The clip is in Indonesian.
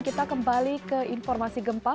kita kembali ke informasi gempa